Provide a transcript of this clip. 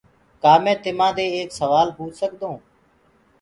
ڪآ مينٚ تمآ دي ايڪ سوآل پوڇ سڪدو هونٚ؟